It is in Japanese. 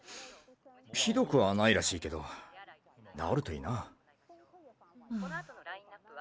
ひどくはないらしいけどなおるといいな。